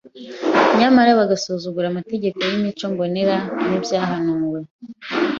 nyamara bagasuzugura amategeko y’imico mbonera n’ibyahanuwe